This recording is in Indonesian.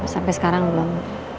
sampai sekarang belum